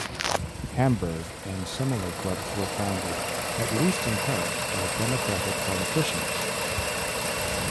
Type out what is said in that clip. Hamburg and similar clubs were funded, at least in part, by Democratic politicians.